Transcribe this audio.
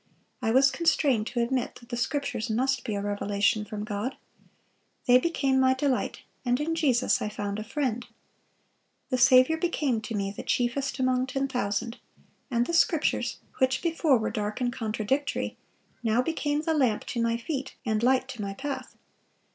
I was constrained to admit that the Scriptures must be a revelation from God. They became my delight; and in Jesus I found a friend. The Saviour became to me the chiefest among ten thousand; and the Scriptures, which before were dark and contradictory, now became the lamp to my feet and light to my path.